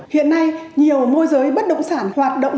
hiện nay nhiều môi giới bất động sản hoạt động